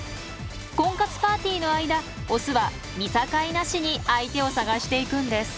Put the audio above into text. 婚活パーティーの間オスは見境なしに相手を探していくんです。